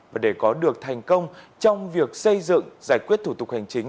và để có được thành công trong việc xây dựng giải quyết thủ tục hành chính